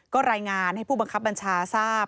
ก็รายงานให้ผู้บังคับบัญชาทราบ